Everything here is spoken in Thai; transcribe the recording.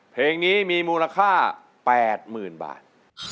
เพลงนี้มีมูลค่า๘๐๐๐บาท